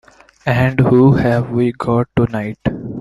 And who have we got here tonight?